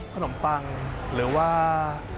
ขนมปังหรือว่า